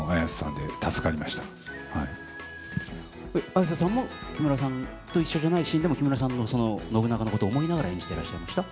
綾瀬さんも木村さんと一緒じゃないシーンでもでも木村さんの信長のことを思いながら演じてました？